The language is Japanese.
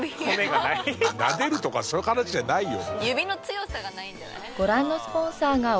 なでるとかその形じゃないよ。